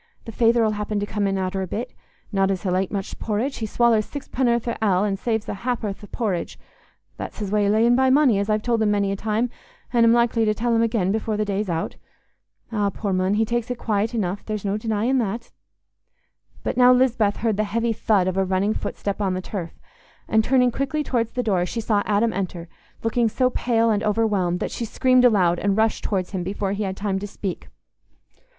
The feyther 'ull happen come in arter a bit. Not as he'll ate much porridge. He swallers sixpenn'orth o' ale, an' saves a hap'orth o' por ridge—that's his way o' layin' by money, as I've told him many a time, an' am likely to tell him again afore the day's out. Eh, poor mon, he takes it quiet enough; there's no denyin' that." But now Lisbeth heard the heavy "thud" of a running footstep on the turf, and, turning quickly towards the door, she saw Adam enter, looking so pale and overwhelmed that she screamed aloud and rushed towards him before he had time to speak.